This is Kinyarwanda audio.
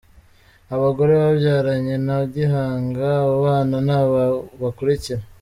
Abagore babyaranye na Gihanga abo bana ni aba bakurikira.